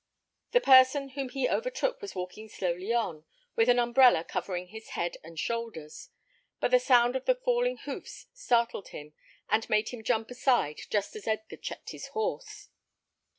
The person whom he overtook was walking slowly on, with an umbrella covering his head and shoulders; but the sound of the falling hoofs startled him, and made him jump aside just as Edgar checked his horse.